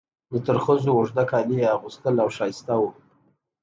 د ترخزو اوږده کالي یې اغوستل او ښایسته وو.